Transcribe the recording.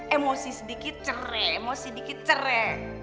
emosi sedikit cerai emosi sedikit cerai